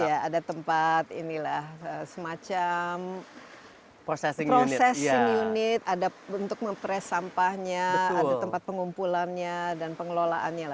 ya ada tempat semacam processing unit untuk mempres sampahnya ada tempat pengumpulannya dan pengelolaannya